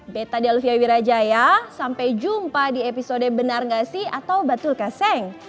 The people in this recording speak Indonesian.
beta delvia wirajaya sampai jumpa di episode benar nggak si atau betul kaseng